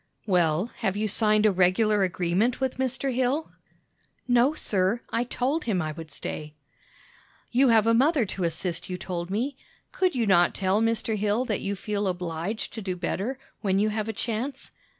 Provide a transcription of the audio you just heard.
"Well, have you signed a regular agreement with Mr. Hill?" "No, sir; I told him I would stay." "You have a mother to assist, you told me. Could not you tell Mr. Hill that you feel obliged to do better, when you have a chance?"